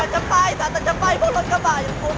ขอใช้สถาตัดจังไปพวกมันกะบะเร็นทุก